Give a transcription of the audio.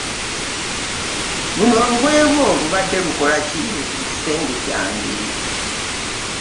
Luno olugoye lwo lubade lukola ki mu kisenge kyange?